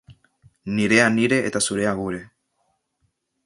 Nirea nire eta zurea gure.